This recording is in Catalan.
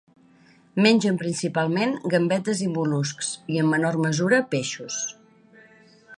Mengen principalment gambetes i mol·luscs i, en menor mesura, peixos.